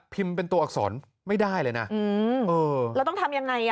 พิมพ์เป็นตัวอักษรไม่ได้เลยน่ะอืมเออแล้วต้องทำยังไงอะ